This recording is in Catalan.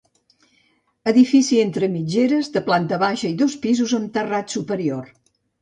Edifici entre mitgeres, de planta baixa i dos pisos amb terrat superior.